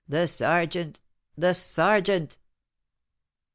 the sergeant! the sergeant!"